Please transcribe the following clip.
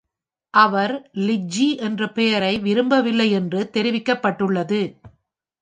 அவர் Lizzie என்ற பெயரை விரும்பவில்லை என்று தெரிவிக்கப்பட்டுள்ளது.